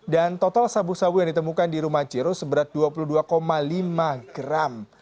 dan total sabu sabu yang ditemukan di rumah jero seberat dua puluh dua lima gram